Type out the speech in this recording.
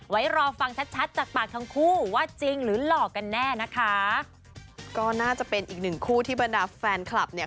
รอฟังชัดชัดจากปากทั้งคู่ว่าจริงหรือหลอกกันแน่นะคะก็น่าจะเป็นอีกหนึ่งคู่ที่บรรดาแฟนคลับเนี่ย